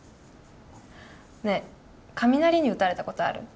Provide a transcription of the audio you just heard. ねえ雷に打たれたことある？